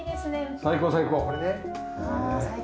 最高最高。